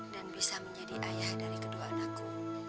dan bisa menjadi ayah dari kedua anakku